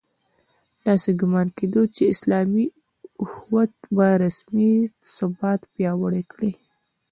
داسې ګومان کېده چې اسلامي اُخوت به د سیمې ثبات پیاوړی کړي.